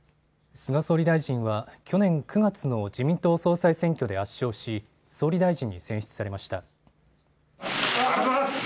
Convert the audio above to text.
菅総理大臣は去年９月の自民党総裁選挙で圧勝し総理大臣に選出されました。